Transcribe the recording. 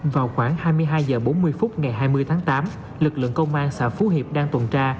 vào khoảng hai mươi hai h bốn mươi phút ngày hai mươi tháng tám lực lượng công an xã phú hiệp đang tuần tra